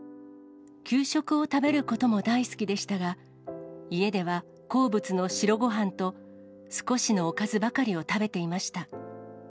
給食を食べることも大好きでしたが、家では好物の白ごはんと、少しのおかずばかりを食べていました。